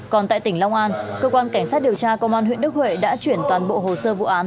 còn tại tỉnh long an cơ quan cảnh sát điều tra công an huyện đức huệ đã chuyển toàn bộ hồ sơ vụ án